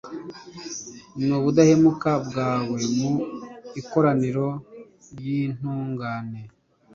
n’ubudahemuka bwawe mu ikoraniro ry’intungane